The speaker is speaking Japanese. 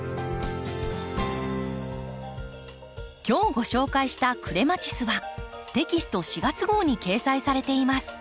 今日ご紹介した「クレマチス」はテキスト４月号に掲載されています。